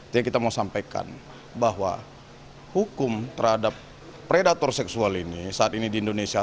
jadi kita mau sampaikan bahwa hukum terhadap predator seksual ini saat ini di indonesia